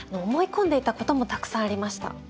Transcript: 思い込んでいたこともたくさんありました。